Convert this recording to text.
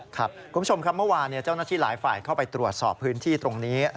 คุณผู้ชมครับเมื่อวานเจ้าหน้าที่หลายฝ่ายเข้าไปตรวจสอบพื้นที่ตรงนี้